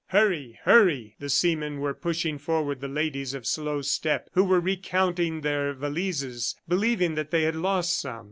"Hurry! Hurry!" The seamen were pushing forward the ladies of slow step who were recounting their valises, believing that they had lost some.